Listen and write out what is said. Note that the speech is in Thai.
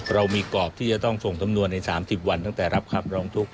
เรามีตะกฎที่จะต้องส่งสำนวนใน๓๐วันตั้งแต่ตอนรับทรัพย์รองทุกข์